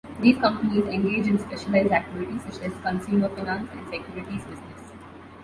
These companies engage in specialized activities, such as consumer finance and securities business.